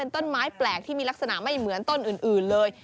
ต้นไม้แปลกที่มีลักษณะไม่เหมือนต้นอื่นเลย